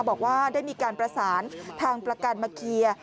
บอกว่าได้มีการประสานทางประกันเมื่อกี๊